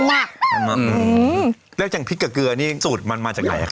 เรื่องอย่างพริกกับเกลือนี่สูตรมันมาจากไหนแสบ